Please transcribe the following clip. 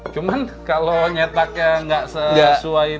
cuman kalau nyetaknya nggak sesuai